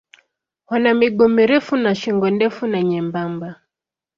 Wana miguu mirefu na shingo ndefu na nyembamba.